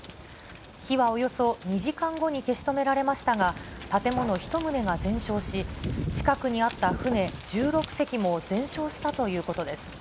火はおよそ２時間後に消し止められましたが、建物１棟が全焼し、近くにあった船１６隻も全焼したということです。